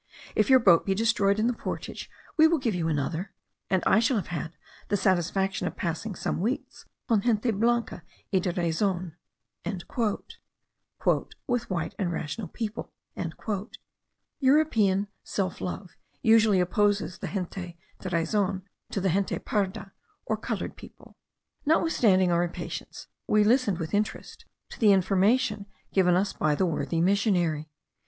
If your boat be destroyed in the portage, we will give you another; and I shall have had the satisfaction of passing some weeks con gente blanca y de razon." ("With white and rational people." European self love usually opposes the gente de razon to the gente parda, or coloured people.) Notwithstanding our impatience, we listened with interest to the information given us by the worthy missionary.